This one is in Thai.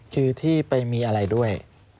คือที่ไปมีอะไรด้วย